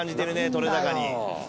撮れ高に。